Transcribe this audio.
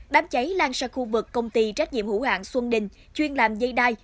đám cháy lan sang khu vực công ty trách nhiệm hữu hạng xuân đình chuyên làm dây đai